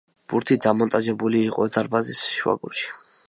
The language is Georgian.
ბურთი დამონტაჟებული იყო დარბაზის შუაგულში.